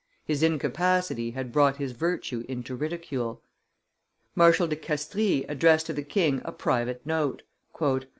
His incapacity had brought his virtue into ridicule. Marshal de Castries addressed to the king a private note.